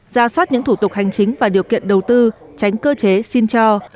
ra soát những thủ tục hành chính và điều kiện đầu tư tránh cơ chế xin cho